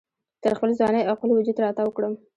تر خپل ځوانۍ او خپل وجود را تاو کړم